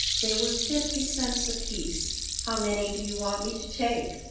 They were fifty cents apiece "How many do you want me to take?"